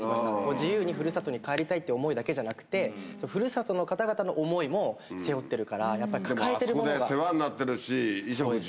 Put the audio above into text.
自由にふるさとに帰りたいっていう思うだけじゃなくて、ふるさとの方々の思いも背負ってるから、やっぱり世話になっているし、衣食住。